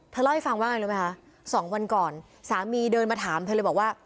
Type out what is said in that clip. เล่าให้ฟังว่าไงรู้ไหมคะสองวันก่อนสามีเดินมาถามเธอเลยบอกว่า